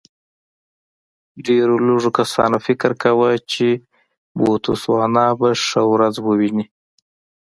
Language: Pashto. ډېرو لږو کسانو فکر کاوه چې بوتسوانا به ښه ورځ وویني.